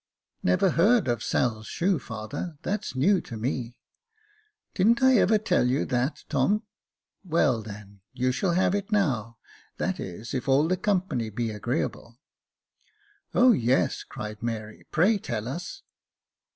" Never heard of Sail's shoe, father ; that's new to me." "Didn't I ever tell you that, Tom i' — "Well, then, you shall have it now — that is, if all the company be agreeable." " O, yes," cried Mary ;" pray tell us."